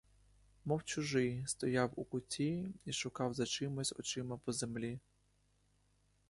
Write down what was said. Мов чужий, стояв у куті і шукав за чимось очима по землі.